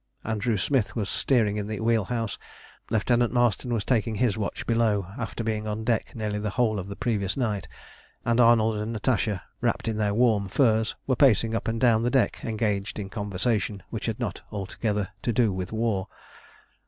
Andrew Smith was steering in the wheel house, Lieutenant Marston was taking his watch below, after being on deck nearly the whole of the previous night, and Arnold and Natasha, wrapped in their warm furs, were pacing up and down the deck engaged in conversation which had not altogether to do with war.